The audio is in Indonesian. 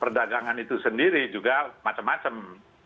perdagangan itu sendiri juga macam macam